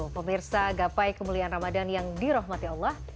pemirsa gapai kemuliaan ramadan yang dirahmati allah